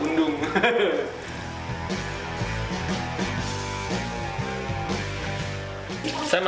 bukunya juga bisa sedih kan